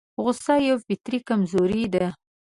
غوسه يوه فطري کمزوري ده.